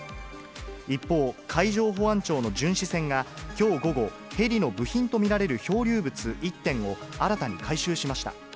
一方、海上保安庁の巡視船がきょう午後、ヘリの部品と見られる漂流物１点を新たに回収しました。